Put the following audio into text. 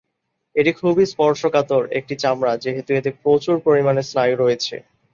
এটি খুবই স্পর্শকাতর একটি চামড়া যেহেতু এতে প্রচুর পরিমাণে স্নায়ু রয়েছে।